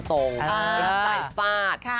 ไม่ต้องใจฟาด